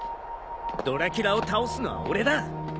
ドラキュラを倒すのは俺だ。